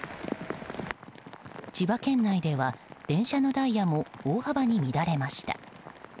千葉県内では電車のダイヤも大幅に乱れました。